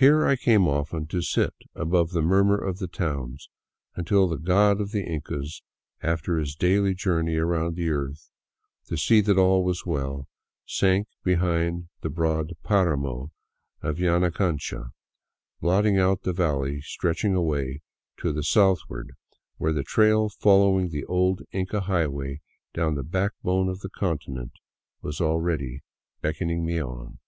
Here I came often to sit above the murmur of the town, until the God of the Incas, after his daily journey around the earth to see that all was well, sank behind the broad paramo of Yanacancha, blot ting out the valley stretching away to the southward where the trail following the old Inca highway down the backbone of the continent, was already beckoning me on.